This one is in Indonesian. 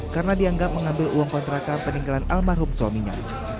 karena dianggap mengambil uang kontrakan peninggalan almarhum suaminya